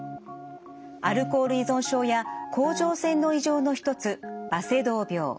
アルコール依存症や甲状腺の異常の一つバセドウ病。